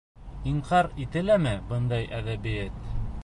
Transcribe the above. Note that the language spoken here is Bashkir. Инҡар ителәме бындай әҙәбиәт?